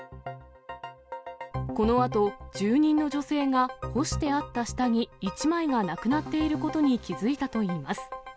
このあと、住人の女性が干してあった下着１枚がなくなっていることに気付いたといいます。